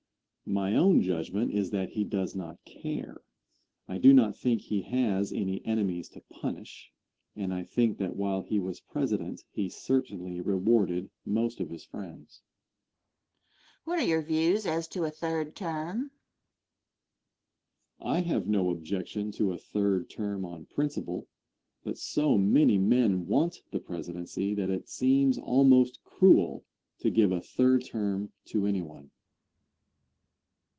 Answer. My own judgment is that he does not care. I do not think he has any enemies to punish, and I think that while he was President he certainly rewarded most of his friends. Question. What are your views as to a third term? Answer. I have no objection to a third term on principle, but so many men want the presidency that it seems almost cruel to give a third term to anyone. Question.